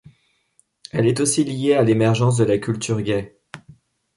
Elle est aussi liée à l'émergence de la culture gay.